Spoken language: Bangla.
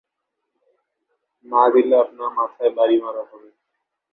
মাথায় আঘাতজনিত কারণে মস্তিষ্কে রক্তক্ষরণ ঘটে রশীদ তালুকদারের।